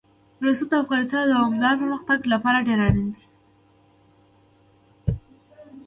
رسوب د افغانستان د دوامداره پرمختګ لپاره ډېر اړین دي.